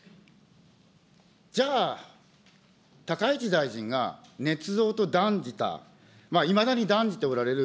じゃあ、高市大臣がねつ造と断じた、いまだに断じておられる